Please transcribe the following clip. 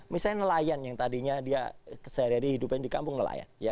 misalnya nelayan yang tadinya dia sehari hari hidupnya di kampung nelayan